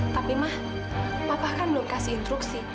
tapi mah papah kan belum kasih instruksi